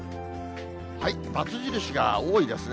バツ印が多いですね。